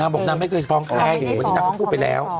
น้ำบอกน้ำไม่เคยฟ้องแค่วันนี้น้ำเค้าพูดไปแล้ว